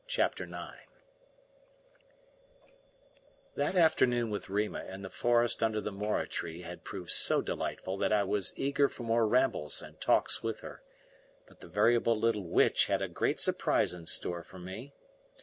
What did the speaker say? CHAPTER IX That afternoon with Rima in the forest under the mora tree had proved so delightful that I was eager for more rambles and talks with her, but the variable little witch had a great surprise in store for me.